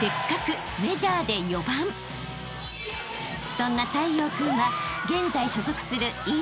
［そんな太陽君は現在］